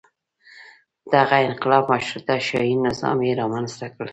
دغه انقلاب مشروطه شاهي نظام یې رامنځته کړ.